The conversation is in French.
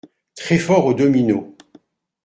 Très fort aux dominos.